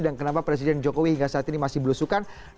dan kenapa presiden jokowi hingga saat ini masih berusukan